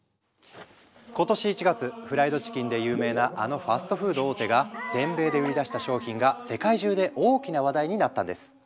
今年１月フライドチキンで有名なあのファストフード大手が全米で売り出した商品が世界中で大きな話題になったんです。